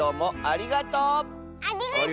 ありがとう！